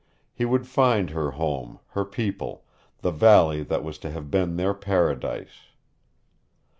He would find her home, her people, the valley that was to have been their paradise.